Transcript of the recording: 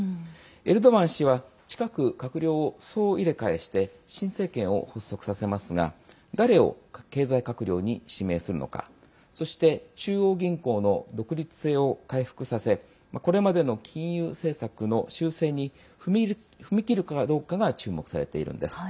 エルドアン氏は近く閣僚を総入れ替えして新政権を発足させますが誰を経済閣僚に指名するのかそして中央銀行の独立性を回復させこれまでの金融政策の修正に踏み切るかどうかが注目されているんです。